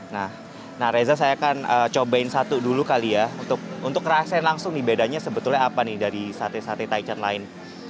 nah reza saya akan cobain satu dulu kali ya untuk ngerasain langsung nih bedanya sebetulnya apa nih dari sate sate taichant lain